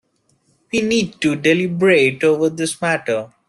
We need to deliberate over this matter.